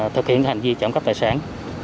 thực hiện hành vi trộm cắt tài sản